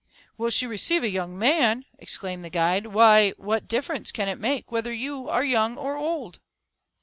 "Will she receive a young man!" exclaimed the guide; "why, what difference can it make whether you are young or old?"